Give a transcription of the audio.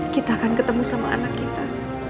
kita akan ketemu sama anak kita